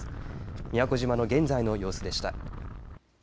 宮古島の現在の様子でした。